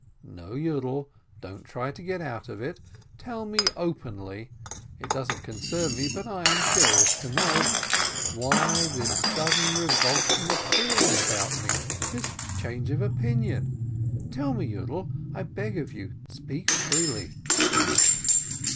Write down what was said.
"No, Yiidel, don't try to get out of it ! Tell me openly (it doesn't concern me, but I am curious to know), why this sudden revulsion of feeling about me, this change of opinion ? Tell me, Yiidel, I beg of you, speak freely